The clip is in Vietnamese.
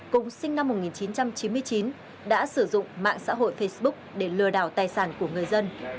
cùng sinh năm một nghìn chín trăm chín mươi chín đã sử dụng mạng xã hội facebook để lừa đảo tài sản của người dân